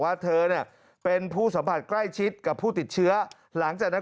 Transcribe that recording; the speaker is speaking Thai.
ว่าเธอเนี่ยเป็นผู้สัมผัสใกล้ชิดกับผู้ติดเชื้อหลังจากนั้น